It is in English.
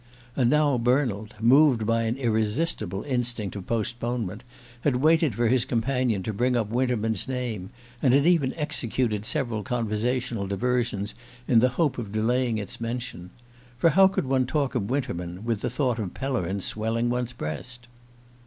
And now Bernald, moved by an irresistible instinct of postponement, had waited for his companion to bring up Winterman's name, and had even executed several conversational diversions in the hope of delaying its mention. For how could one talk of Winterman with the thought of Pellerin swelling one's breast?